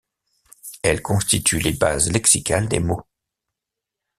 Elles constituent les bases lexicales des mots.